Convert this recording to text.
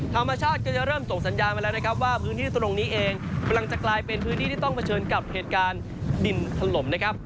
ธรรมชาติก็จะเริ่มส่งสัญญาณมาแล้วนะครับว่าพื้นที่ตรงนี้เองกำลังจะกลายเป็นพื้นที่ที่ต้องเผชิญกับเหตุการณ์ดินถล่มนะครับ